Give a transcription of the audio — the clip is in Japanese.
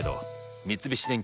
三菱電機